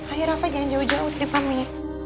ayo rafa jangan jauh jauh dari pamit